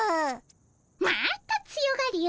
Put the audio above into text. また強がりを。